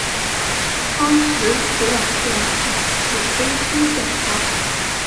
当时此软件是辅助飞机建造。